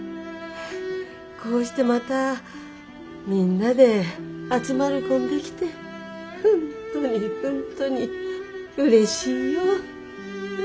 こうしてまたみんなで集まるこんできて本当に本当にうれしいよ。